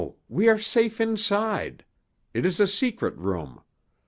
We are safe inside. It is a secret room.